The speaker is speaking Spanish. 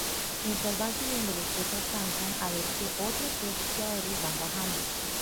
Mientras van subiendo los tres alcanzan a ver que otros tres esquiadores van bajando.